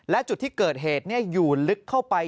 และจุดที่เกิดเหตุอยู่ลึกเข้าไป